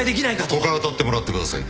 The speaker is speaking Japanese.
他当たってもらってください。